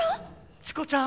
チコちゃん